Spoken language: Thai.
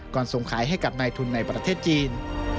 ส่งขายให้กับนายทุนในประเทศจีน